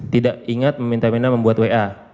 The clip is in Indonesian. tidak ingat meminta minta membuat wa